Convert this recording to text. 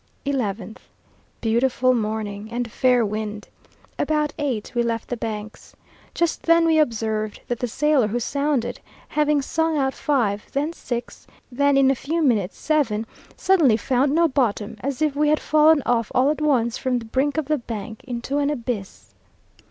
11th. Beautiful morning, and fair wind. About eight we left the Banks. Just then we observed, that the sailor who sounded, having sung out five, then six, then in a few minutes seven, suddenly found no bottom, as if we had fallen off all at once from the brink of the Bank into an abyss.